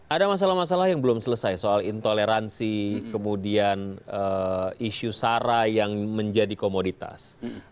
ada masalah masalah yang belum selesai soal intoleransi kemudian isu sara yang menjadi komoditas